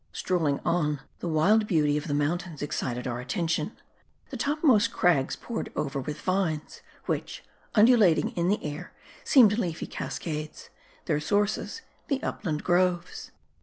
Strolling on, the wild beauty of the mountains excited our attention. The topmost crags poured over with vines ; which, undulating in the air, seemed leafy cascades ;. their sources the upland: groves.